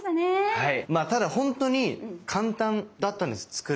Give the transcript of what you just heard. はい。